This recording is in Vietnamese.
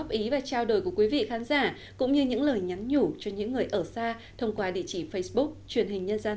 hi vọng được quý vị cũng như những lời nhắn nhũ cho những người ở xa thông qua đệ chỉ facebook truyền hình nhân dân